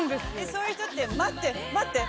そういう人って待って待って。